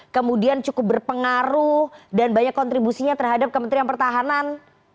kemudian cukup berpengaruh dan banyak kontribusinya terhadap kementerian pertahanan